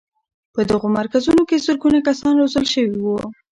په دغو مرکزونو کې زرګونه کسان روزل شوي وو.